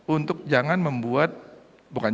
untuk jangan membuat bukan